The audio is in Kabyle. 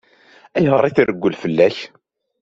Ayɣer i treggel fell-ak?